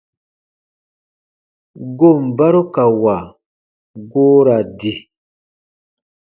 Goon barukawa goo ra di.